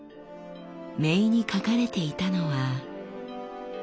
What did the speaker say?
銘に書かれていたのは。